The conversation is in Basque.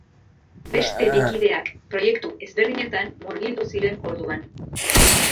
Beste bi kideak proiektu ezberdinetan murgildu ziren orduan.